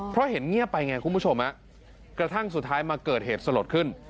เพราะเห็นเงียบไปไงคุณผู้ชมกระทั่งสุดท้ายมาเกิดเหตุสลดขึ้น